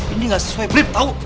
ini gak sesuai blip tau